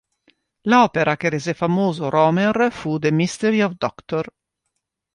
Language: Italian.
L'opera che rese famoso Rohmer fu "The Mystery of Dr.